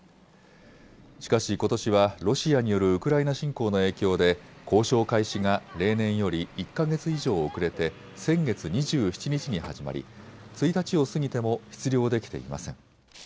しかしことしはロシアによるウクライナ侵攻の影響で交渉開始が例年より１か月以上遅れて先月２７日に始まり１日を過ぎても出漁できていません。